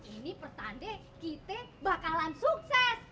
ini pertandai kita bakalan sukses